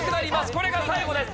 これが最後です。